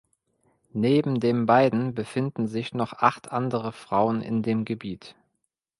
Neben den beiden befinden sich noch acht andere Frauen in dem Gebiet.